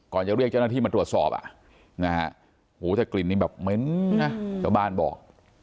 จะเรียกเจ้าหน้าที่มาตรวจสอบแต่กลิ่นนี้แบบเหม็นนะชาวบ้านบอก